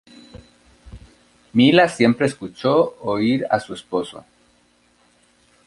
Mila siempre escuchó oír a su esposo.